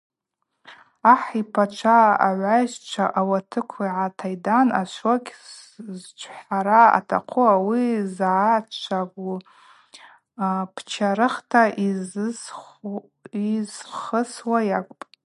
Ахӏ йпачва агӏвайщчва ауатыкв йгӏатайдан – Ашвокь зчӏвхара атахъу ауи зъачӏвагӏу, пчарыхӏта йызхысуа йакӏвпӏ.